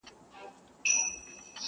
o وجود شراب شراب نشې نشې لرې که نه,